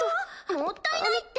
もったいないって。